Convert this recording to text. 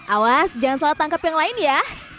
awas jangan salah tangkap yang lain ya